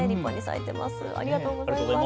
ありがとうございます。